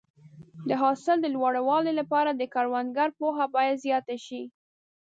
د حاصل د لوړوالي لپاره د کروندګرو پوهه باید زیاته شي.